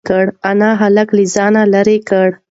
انا هلک له ځانه لرې کړ.